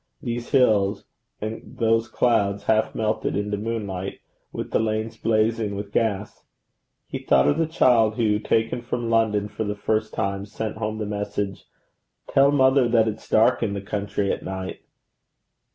these hills and those clouds half melted into moonlight with the lanes blazing with gas! He thought of the child who, taken from London for the first time, sent home the message: 'Tell mother that it's dark in the country at night.'